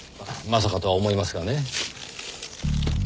まさかとは思いますがね。